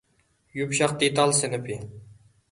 يۇمشاق دېتال سىنىپى